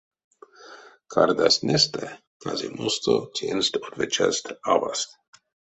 Кардазтнэстэ казямосто тенст отвечасть аваст.